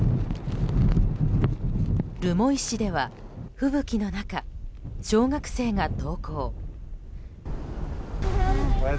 留萌市では吹雪の中、小学生が登校。